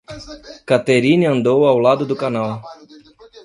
Catherine andou ao lado do canal.